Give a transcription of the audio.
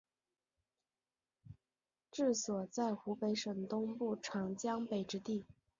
治所在湖北省东部长江北之地。